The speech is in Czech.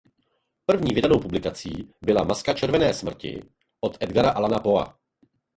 První vydanou publikací byla "Maska červené smrti" od Edgara Allana Poe.